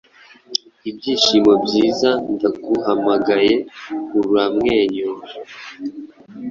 Ibyishimo Byiza Ndaguhamagaye: Uramwenyura,